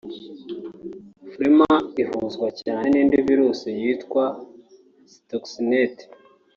Flamer ihuzwa cyane n’indi virusi yitwa Stuxnet